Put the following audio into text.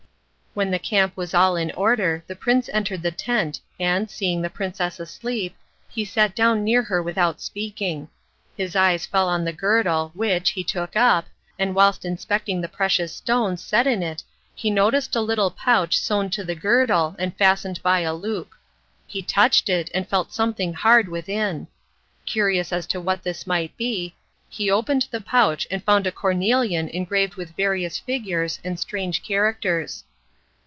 When the camp was all in order the prince entered the tent and, seeing the princess asleep, he sat down near her without speaking. His eyes fell on the girdle which, he took up, and whilst inspecting the precious stones set in it he noticed a little pouch sewn to the girdle and fastened by a loop. He touched it and felt something hard within. Curious as to what this might be, he opened the pouch and found a cornelian engraved with various figures and strange characters.